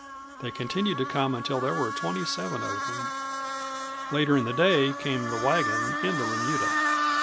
They continued to come until there were twenty seven of them. Later in the day came the wagon and the remuda.